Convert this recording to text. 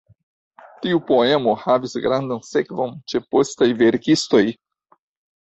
Tiu poemo havis gravan sekvon ĉe postaj verkistoj.